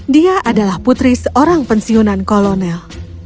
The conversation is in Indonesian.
dia adalah putri seorang pensiunan kolonel